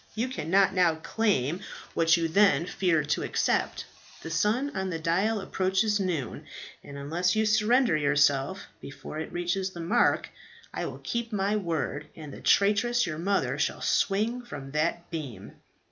You cannot now claim what you then feared to accept. The sun on the dial approaches noon, and unless you surrender yourself before it reaches the mark, I will keep my word, and the traitress, your mother, shall swing from that beam."